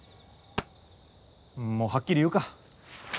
もうはっきり言うか。